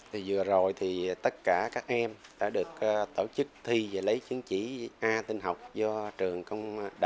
thì vừa rồi thì tất cả các em đã được tổ chức thi về lấy chứng chỉ a tinh học do trường công nghệ thông tin cấp chứng chỉ